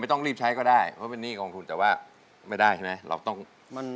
ต้องใช้เมื่อกี้คือเอาไปใช้ก็ได้